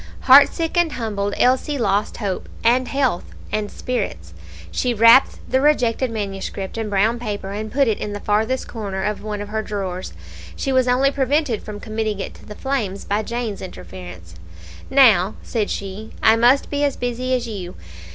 Heartsick and humbled, Elsie lost hope, and health, and spirits. She wrapped the rejected manuscript in brown paper, and put it in the farthest corner of one of her drawers. She was only prevented from committing it to the flames by Jane's interference. "Now," said she, "I must be as busy as you.